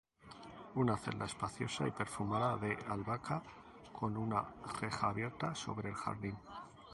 una celda espaciosa y perfumada de albahaca, con una reja abierta sobre el jardín